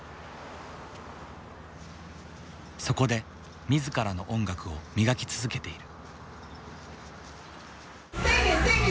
そこで自らの音楽を磨き続けている。